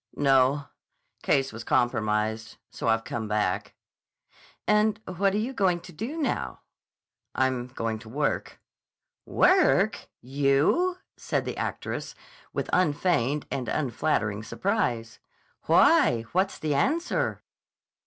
"No. Case was compromised. So I've come back." "And what are you going to do now?" "I'm going to work." "Work! You?" said the actress with unfeigned and unflattering surprise. "Why? What's the answer?"